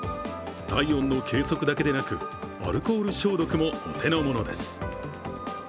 体温の計測だけでなくアルコール消毒もお手のものです。